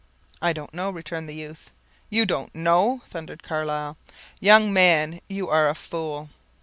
"I don't know," returned the youth. "You don't know," thundered Carlyle, "young man, you are a fool."